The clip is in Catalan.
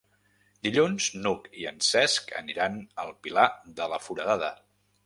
Dilluns n'Hug i en Cesc aniran al Pilar de la Foradada.